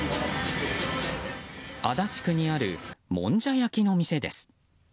足立区にあるもんじゃ焼きの店です。